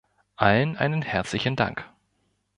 Allen einen herzlichen Dank!